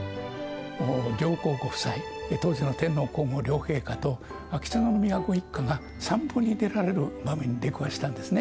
上皇ご夫妻、当時の天皇皇后両陛下と秋篠宮ご一家が、散歩に出られる場面に出くわしたんですよね。